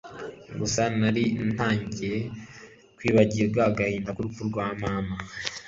gusa nari ntangiye kwibagirwa agahinda kurupfu rwa mama